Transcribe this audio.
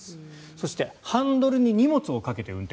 そしてハンドルに荷物をかけて運転。